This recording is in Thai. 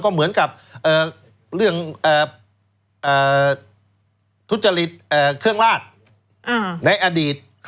เหมือนกับเรื่องทุจริตเครื่องราชในอดีต